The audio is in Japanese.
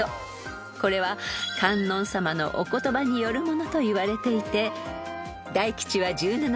［これは観音様の御言葉によるものといわれていて大吉は１７％］